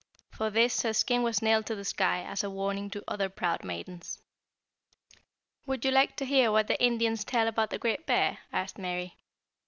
For this her skin was nailed to the sky as a warning to other proud maidens. "Would you like to hear what the Indians tell about the Great Bear?" asked Mary.